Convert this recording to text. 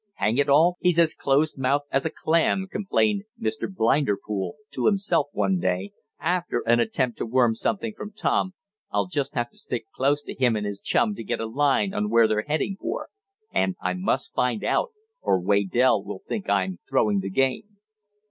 "Hang it all! He's as close mouthed as a clam," complained "Mr. Blinderpool" to himself one day, after an attempt to worm something from Tom, "I'll just have to stick close to him and his chum to get a line on where they're heading for. And I must find out, or Waydell will think I'm throwing the game."